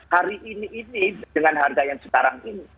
hari ini ini dengan harga yang sekarang ini